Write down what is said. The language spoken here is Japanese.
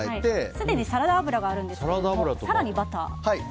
すでにサラダ油があるんですが更にバター。